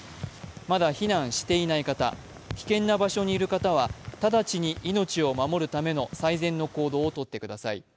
まだ避難していない方危険な場所にいる方は直ちに命を守るための最善の行動をとってください。